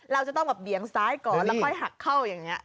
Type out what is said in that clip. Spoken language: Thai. เราจะต้องแบบเบี่ยงซ้ายก่อนแล้วค่อยหักเข้าอย่างนี้